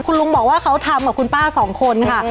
คุณลุงบอกว่าเขาทำกับคุณป้าสองคนค่ะ